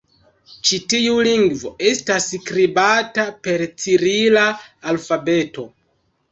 Ĉi tiu lingvo estas skribata per cirila alfabeto.